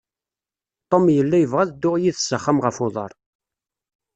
Tom yella yebɣa ad dduɣ yid-s s axxam ɣef uḍar.